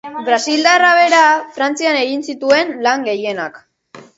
Brasildarra bera, Frantzian egin zituen lan gehienak.